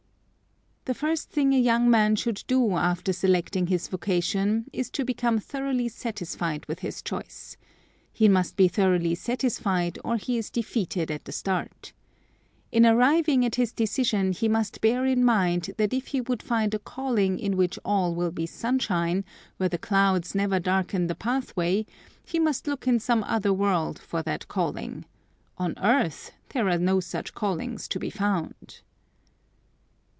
"The first thing a young man should do after selecting his vocation is to become thoroughly satisfied with his choice. He must be thoroughly satisfied or he is defeated at the start. In arriving at this decision he must bear in mind that if he would find a calling in which all will be sunshine, where the clouds never darken the pathway, he must look in some other world for that calling. On earth there are no such callings to be found."